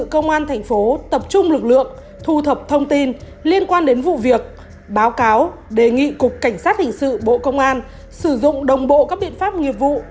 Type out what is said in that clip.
công an thành phố tập trung lực lượng thu thập thông tin liên quan đến vụ việc báo cáo đề nghị cục cảnh sát hình sự bộ công an sử dụng đồng bộ các biện pháp nghiệp vụ